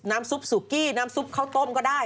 ซุปสุกี้น้ำซุปข้าวต้มก็ได้